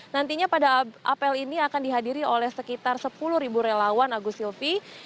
nantinya pada apel ini akan dihadiri oleh sekitar sepuluh ribu relawan agus silvi